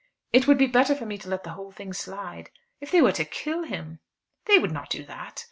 "It would be better for me to let the whole thing slide. If they were to kill him!" "They would not do that.